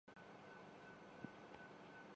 کچرا اٹھانے کے لیے۔